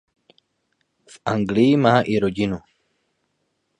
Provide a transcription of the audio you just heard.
V Anglii má i rodinu.